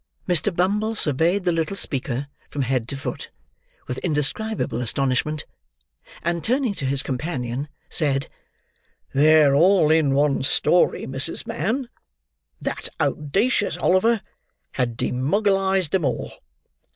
Mr. Bumble surveyed the little speaker, from head to foot, with indescribable astonishment; and, turning to his companion, said, "They're all in one story, Mrs. Mann. That out dacious Oliver had demogalized them all!"